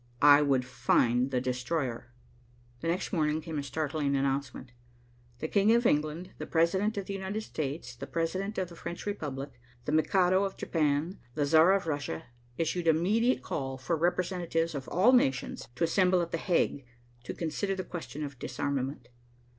I would find the destroyer. The next morning came a startling announcement. The King of England, the President of the United States, the President of the French Republic, the Mikado of Japan, and the Czar of Russia issued an immediate call for representatives of all nations to assemble at The Hague to consider the question of disarmament.